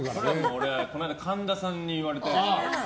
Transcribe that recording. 俺、この間神田さんに言われて。